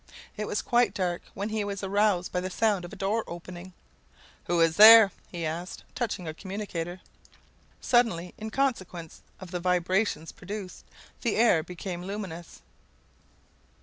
It was quite dark when he was aroused by the sound of a door opening. "Who is there?" he asked, touching a commutator. Suddenly, in consequence of the vibrations produced, the air became luminous.